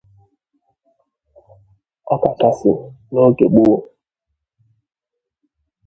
ọkachasị n'oge gboo